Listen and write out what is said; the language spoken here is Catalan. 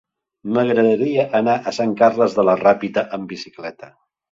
M'agradaria anar a Sant Carles de la Ràpita amb bicicleta.